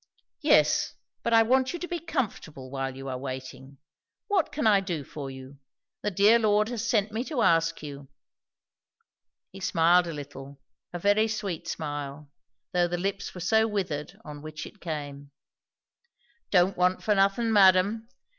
"Yes, but I want you to be comfortable while you are waiting. What can I do for you? The dear Lord has sent me to ask you." He smiled a little, a very sweet smile, though the lips were so withered on which it came. "Don't want for not'ing, madam.